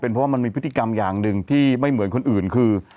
เพราะว่ามันมีพฤติกรรมอย่างหนึ่งที่ไม่เหมือนคนอื่นคือ